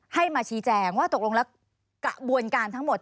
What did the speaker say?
ให้มาชี้แจงว่าตกลงแล้วกระบวนการทั้งหมด